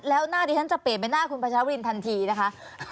แล้วหน้าดิฉันจะเปลี่ยนเป็นหน้าคุณพัชรวรินทันทีนะคะ